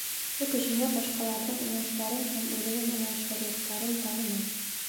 Өфө кешеһе башҡаларҙың уңыштарын һәм үҙенең уңышһыҙлыҡтарын танымай.